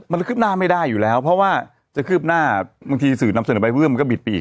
มันคืบหน้าไม่ได้อยู่แล้วเพราะว่าจะคืบหน้าบางทีสื่อนำเสนอไปเพิ่มมันก็บิดปีก